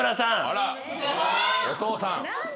お父さん。